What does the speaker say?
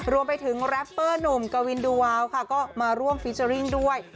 รวมไปถึงแรปเปอร์หนุ่มกวินดูวาวค่ะก็มาร่วมฟีเจอร์ริ่งด้วย